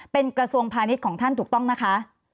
เป็นกระทรวงพาณิชย์ของท่านถูกต้องนะคะ